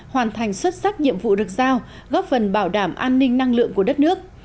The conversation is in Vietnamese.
hoàn thành xuất sắc nhiệm vụ được giao góp phần bảo đảm an ninh năng lượng của đất nước